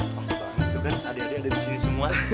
eh bang sufran itu kan adek adek ada di sini semua